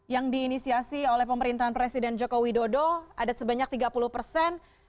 yang diinisiasi oleh pemerintahan presiden joko widodo ada sebanyak tiga puluh persen